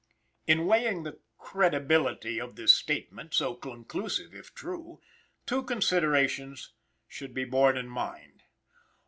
In weighing the credibility of this statement, so conclusive if true, two considerations should be borne in mind.